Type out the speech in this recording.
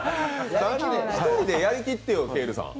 １人でやりきってよ、ケールさん。